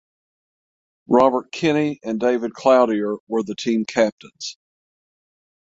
Robert Kinney and David Cloutier were the team captains.